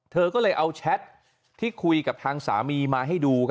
เธอก็เลยเอาแชทที่คุยกับทางสามีมาให้ดู